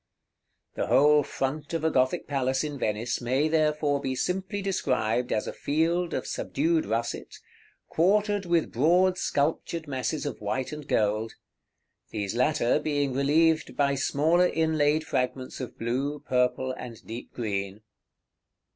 The whole front of a Gothic palace in Venice may, therefore, be simply described as a field of subdued russet, quartered with broad sculptured masses of white and gold; these latter being relieved by smaller inlaid fragments of blue, purple, and deep green.